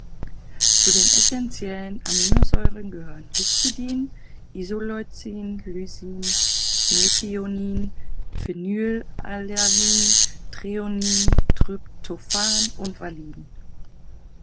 Zu den essentiellen Aminosäuren gehören Histidin, Isoleucin, Lysin, Methionin, Phenylalanin, Threonin, Tryptophan und Valin.